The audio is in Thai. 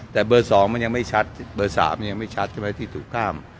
แต่เบอร์๒มันยังไม่ชัดเบอร์๓มันยังไม่ชัดที่ถูกข้าม